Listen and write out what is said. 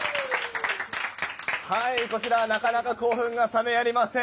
こちら、なかなか興奮が冷めません。